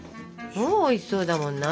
もうおいしそうだもんな。